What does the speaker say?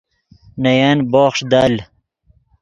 نے ین بوخݰ دل